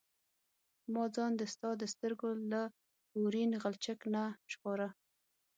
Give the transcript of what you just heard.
ما ځان د ستا د سترګو له اورین غلچک نه ژغوره.